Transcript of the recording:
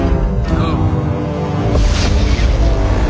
ああ。